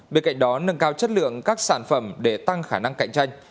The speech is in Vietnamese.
bên cạnh đó nâng cao chất lượng các sản phẩm để tăng khả năng cạnh tranh